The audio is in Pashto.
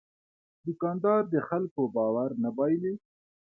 دوکاندار د خلکو باور نه بایلي.